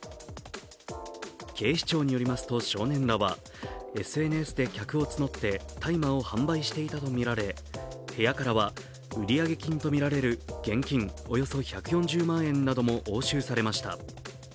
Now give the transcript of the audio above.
警視庁によりますと、少年らはＳＮＳで客を募って大麻を販売していたとみられ部屋からは売上金とみられる現金およそ１４０万円なども押収されました。